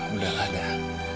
udah lah dah